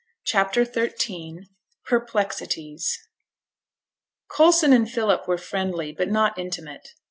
CHAPTER XIII PERPLEXITIES Coulson and Philip were friendly, but not intimate.